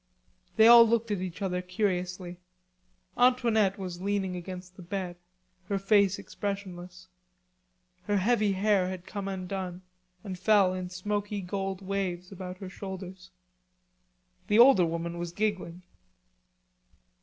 They all looked at each other curiously. Antoinette was leaning against the bed, her face expressionless. Her heavy hair had come undone and fell in smoky gold waves about her shoulders. The older woman was giggling.